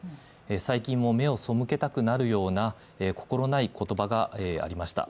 最近も目を背けたくなるような心ない言葉がありました。